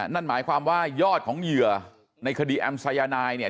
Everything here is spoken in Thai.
นั่นหมายความว่ายอดของเหยื่อในคดีแอมสายนายเนี่ย